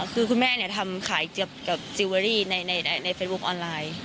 คือคุณแม่ทำขายเจี๊ยบกับจิลเวอรี่ในเฟซบุ๊คออนไลน์